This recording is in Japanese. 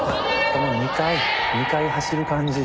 この２階２階走る感じ。